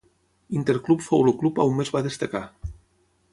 Interclube fou el club on més va destacar.